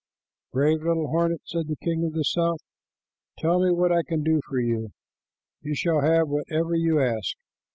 "Brave little hornet," said the king of the south, "tell me what I can do for you. You shall have whatever you ask."